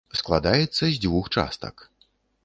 Складаецца з дзвюх частак.